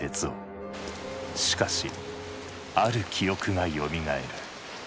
しかしある記憶がよみがえる。